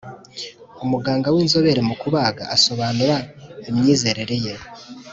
Umuganga w inzobere mu kubaga asobanura imyizerere ye